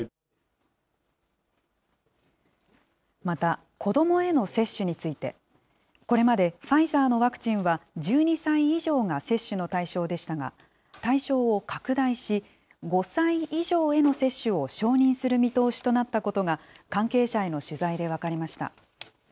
また、子どもへの接種について、これまでファイザーのワクチンは１２歳以上が接種の対象でしたが、対象を拡大し、５歳以上への接種を承認する見通しとなったことが、関係者への取材で分かりました。